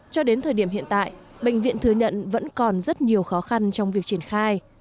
cho đến thời điểm hiện tại bệnh viện thừa nhận vẫn còn rất nhiều khó khăn trong việc triển khai